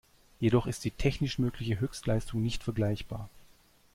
Jedoch ist die technisch mögliche Höchstleistung nicht vergleichbar.